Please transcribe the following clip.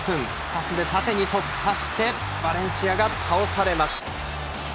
パスで縦に突破してバレンシアが倒されます。